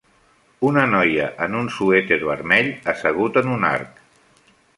Una noia en un suèter vermell assegut en un arc